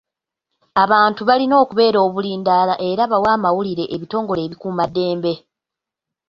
Abantu balina okubeera obulindaala era bawe amawulire ebitongole ebikuumaddembe.